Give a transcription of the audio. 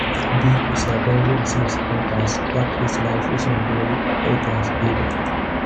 B. certainly isn't second class, but his life isn't really "A-class" either.